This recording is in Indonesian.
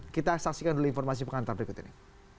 kita saksikan dulu informasi pengantar berikut ini